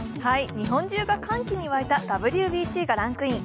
日本中が歓喜に沸いたＷＢＣがランクイン。